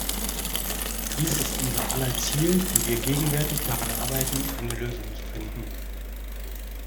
Dies ist unser aller Ziel, die wir gegenwärtig daran arbeiten, eine Lösung zu finden.